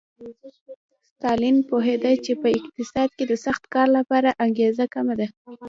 ستالین پوهېده چې په اقتصاد کې د سخت کار لپاره انګېزه کمه ده